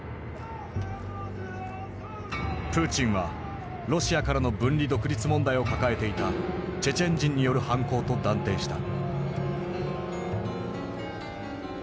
プーチンはロシアからの分離独立問題を抱えていたチェチェン人による犯行と断定した。